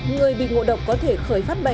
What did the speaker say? người bị ngộ độc có thể khởi phát bệnh